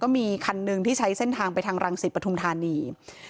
มีคันหนึ่งที่ใช้เส้นทางไปทางรังสิตปฐุมธานี